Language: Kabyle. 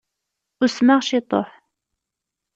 Usmeɣ ciṭuḥ.